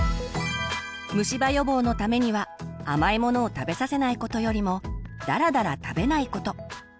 虫歯予防のためには甘いものを食べさせないことよりもだらだら食べないこと。